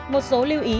một số lưu ý